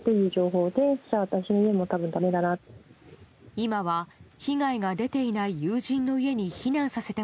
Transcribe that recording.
今は被害が出ていない友人の家に避難させて